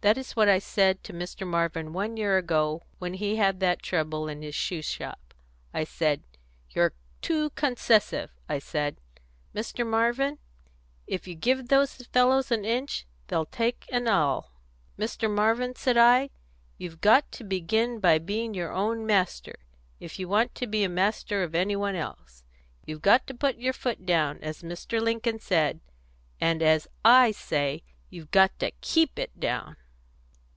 That is what I said to Mr. Marvin one year ago, when he had that trouble in his shoe shop. I said, 'You're too concessive.' I said, 'Mr. Marvin, if you give those fellows an inch, they'll take an ell. Mr. Marvin,' said I, 'you've got to begin by being your own master, if you want to be master of anybody else. You've got to put your foot down, as Mr. Lincoln said; and as I say, you've got to keep it down.'"